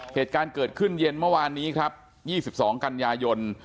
เหตุการณ์เกิดขึ้นเย็นเมื่อวานนี้ครับ๒๒กันยายน